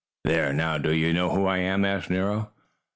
"There! Now do you know who I am?" asked Nero.